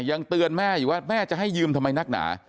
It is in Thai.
ยังเตือนแม่อยู่ว่าแม่จะให้ยืมทำไมนักหนา